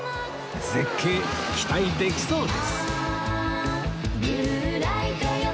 絶景期待できそうです